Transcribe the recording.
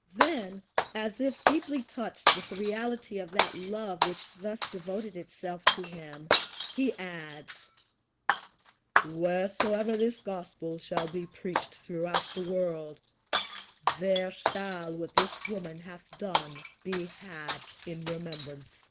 Then, as if deeply touched with the reality of that love which thus devoted itself to him, he adds, "Wheresoever this gospel shall be preached throughout the world, there shall what this woman hath done be had in remembrance."